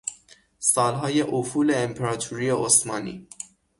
سالهای افول امپراتوری عثمانی